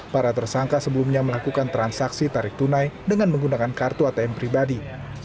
para tersangka sebelumnya melakukan transaksi tarik tunai dengan menggunakan kartu atm pribadi